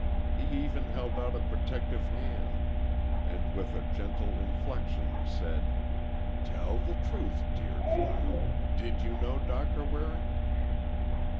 He even held out a protective hand, and with a gentle inflection, said: "Tell the truth, dear child. Did you know Doctor Waring?"